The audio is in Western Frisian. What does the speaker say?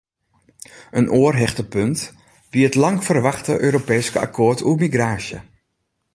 In oar hichtepunt wie it langferwachte Europeeske akkoart oer migraasje.